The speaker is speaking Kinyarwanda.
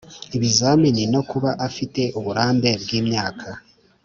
Ibizamini no kuba afite uburambe bw imyaka